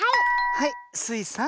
はいスイさん。